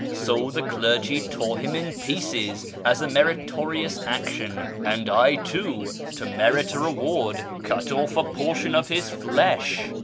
So the clergy tore him in pieces as a meritorious action, and I too, to merit a reward, cut off a portion of his flesh.'